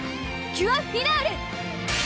キュアフィナーレ！